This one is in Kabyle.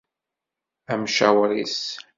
Amecwar-is.